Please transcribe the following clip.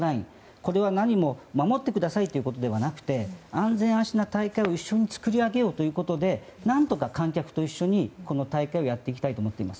これは何も、守ってくださいということではなくて安全・安心な大会を一緒に作り上げようということで何とか観客と一緒に大会をやっていきたいと思っています。